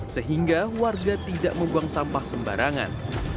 sehingga warga tidak membuang sampah sembarangan